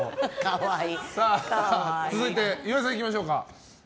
続いて、岩井さんいきましょう。